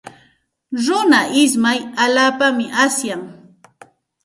Runa ismay allaapaqmi asyan.